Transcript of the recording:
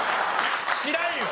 知らんよ！